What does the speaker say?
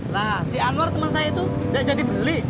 lah si anwar temen saya itu gak jadi beli